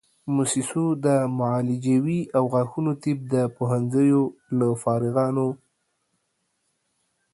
موسسو د معالجوي او غاښونو طب د پوهنځیو له فارغانو